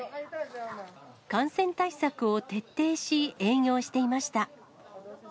感染対策を徹底し、営業していました。